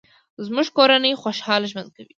زموږ کورنۍ خوشحاله ژوند کوي